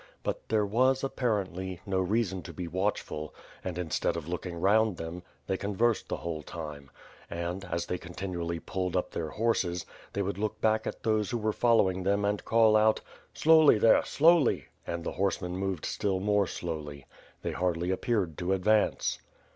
But there was, apparently, no reaeon to be watchful, and, instead of looking round them, they con versed the whole time; and, as they continually pulled up their horses, they would look back at those who were follow ing them and call out: "Slowly there, slowly!" And the horsemen moved still more slowly. They hardly appeared to advance.